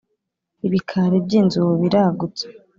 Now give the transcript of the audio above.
Ibikari by ‘inzu biragutse.